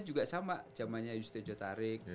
juga sama zamannya yusuf jotarik